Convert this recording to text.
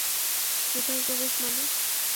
ভেতরে প্রবেশ মানে?